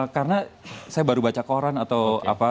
karena saya baru baca koran atau apa